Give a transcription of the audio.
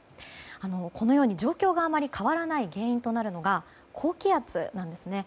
このように状況があまり変わらない原因となるのが高気圧なんですね。